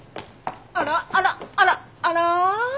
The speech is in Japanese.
あらあらあらあら？